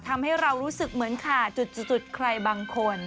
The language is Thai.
ทำให้เรารู้สึกเหมือนขาดจุดใครบางคน